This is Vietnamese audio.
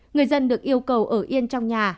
người dân được yêu cầu ở yên trong nhà